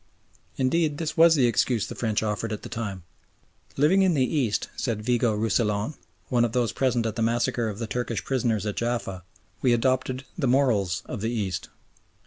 Indeed, this was the excuse the French offered at the time. "Living in the East," said Vigo Roussillon, one of those present at the massacre of the Turkish prisoners at Jaffa, "we adopted the morals of the East."